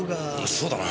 そうだな。